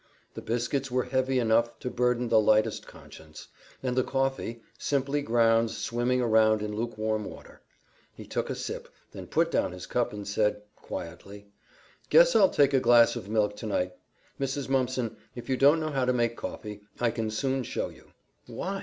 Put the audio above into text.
The biscuits were heavy enough to burden the lightest conscience; and the coffee, simply grounds swimming around in lukewarm water. He took a sip, then put down his cup and said, quietly, "Guess I'll take a glass of milk tonight. Mrs. Mumpson, if you don't know how to make coffee, I can soon show you." "Why!